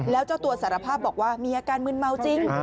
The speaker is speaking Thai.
แล้วเจ้าตัวสารภาพบอกว่ามีอาการมืนเมาจริง